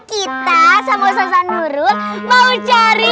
kita sama sama nurul mau cari